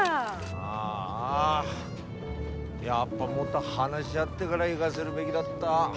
ああやっぱもっと話し合ってがら行がせるべきだった。